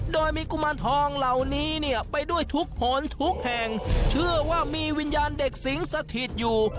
โดยมีกุมารทองเหล่านี้เนี่ยไปด้วยทุกหนทุกแห่งเชื่อว่ามีวิญญาณเด็กสิงสถิตอยู่